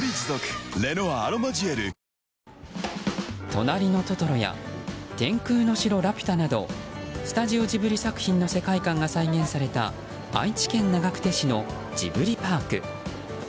「となりのトトロ」や「天空の城ラピュタ」などスタジオジブリ作品の世界観が再現された愛知県長久手市のジブリパーク。